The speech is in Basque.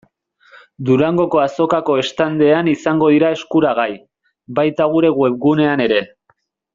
Durangoko Azokako standean izango dira eskuragai, baita gure webgunean ere.